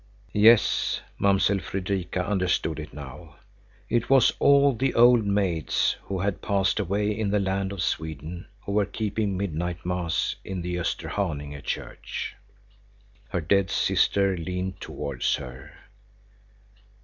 Yes, Mamsell Fredrika understood it now. It was all the old maids who had passed away in the land of Sweden who were keeping midnight mass in the Österhaninge church. Her dead sister leaned towards her.